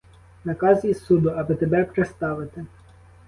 Наказ із суду, аби тебе приставити.